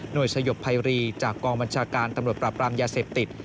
โดยสยบภัยรีจากกองบัญชาการตำรวจปราบรามยาเสพติด